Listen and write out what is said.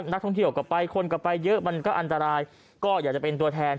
นักท่องเที่ยวก็ไปคนก็ไปเยอะมันก็อันตรายก็อยากจะเป็นตัวแทน